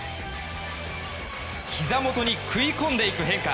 ひざ元に食い込んでいく変化。